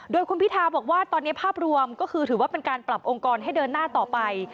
โดยคุณพิทาบอกว่าตอนนี้ภาพรวมก็คือถือว่าเป็นการปรับองค์กรให้เดินหน้าต่อไป